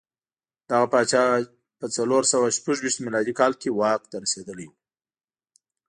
دغه پاچا په څلور سوه شپږ ویشت میلادي کال کې واک ته رسېدلی و.